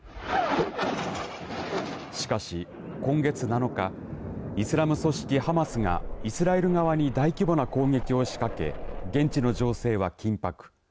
しかし今月７日イスラム組織ハマスがイスラエル側に大規模な攻撃を仕掛け現地の情勢は緊迫。